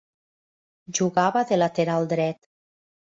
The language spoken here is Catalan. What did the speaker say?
Jugava de lateral dret.